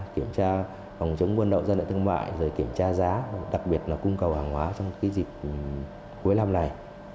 kiểm tra phòng chống quân đội dân đại thương mại rồi kiểm tra giá đặc biệt là cung cầu hàng hóa trong dịp cuối năm này